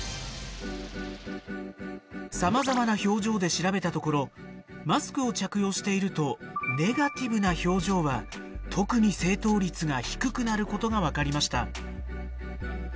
さまざまな表情で調べたところマスクを着用しているとネガティブな表情は特に正答率が低くなることが分かりました。